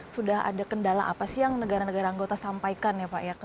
sudah ada kendala apa sih yang negara negara anggota sampaikan ya pak ya